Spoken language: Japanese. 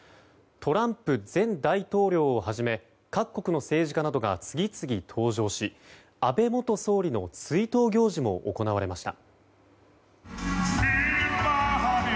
トランプ前大統領をはじめ各国の政治家などが次々登場し安倍元総理の追悼行事も行われました。